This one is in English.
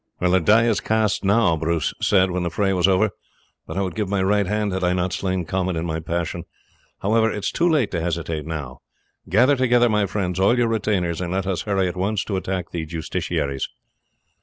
"The die is cast now," Bruce said when the fray was over; "but I would give my right hand had I not slain Comyn in my passion; however, it is too late to hesitate now. Gather together, my friends, all your retainers, and let us hurry at once to attack the justiciaries."